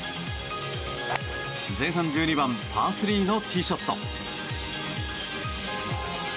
前半１２番パー３のティーショット。